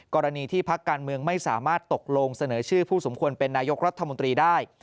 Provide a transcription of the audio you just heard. กรณีที่พักการเมืองไม่สามารถตกลงเสนอชื่อผู้สมควรเป็นนายกรัฐมนตรีได้